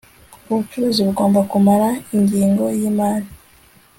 ubucukuzi bugomba kumara ingengo y imari